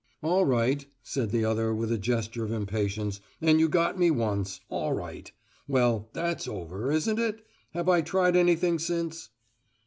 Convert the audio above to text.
"All right," said the other with a gesture of impatience; "and you got me once, all right. Well, that's over, isn't it? Have I tried anything since?"